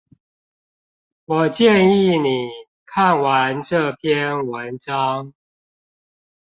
我建議你看完這篇文章